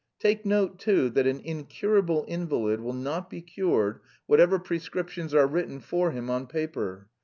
Take note too that an incurable invalid will not be cured whatever prescriptions are written for him on paper.